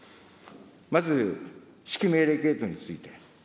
まず指揮命令系統について。